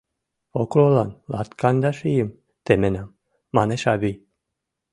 — Покролан латкандаш ийым теменам, манеш авий.